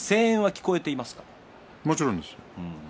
もちろんです。